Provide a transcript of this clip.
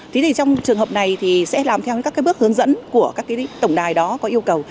thế thì trong trường hợp này thì sẽ làm theo các cái bước hướng dẫn của các cái tổng đài đó có yêu cầu